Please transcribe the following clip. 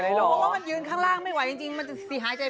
ได้หรอโอ้โหว่ามันยืนข้างล่างไม่ไหวจริงจริงมันจะสิหายใจ